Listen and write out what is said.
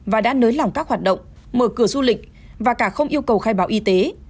và đã nới lỏng các hoạt động mở cửa du lịch và cả không yêu cầu khai báo y tế